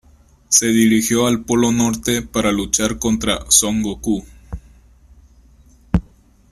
Se dirigió al Polo Norte para luchar contra Son Goku.